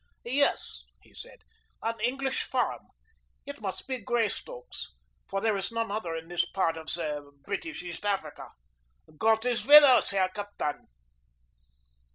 "Yes," he said, "an English farm. It must be Greystoke's, for there is none other in this part of British East Africa. God is with us, Herr Captain."